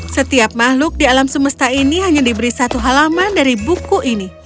setiap makhluk di alam semesta ini hanya diberi satu halaman dari buku ini